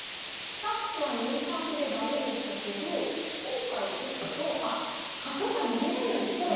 さっきは２三歩で駄目でしたけど今回打つとあっ角が逃げれるんですね！